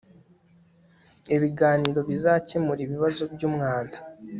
ibiganiro bizakemura ikibazo cyumwanda